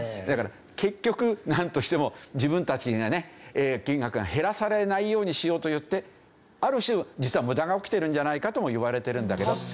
だから結局なんとしても自分たちがね金額が減らされないようにしようといってある種実は無駄が起きているんじゃないかともいわれてるんだけど。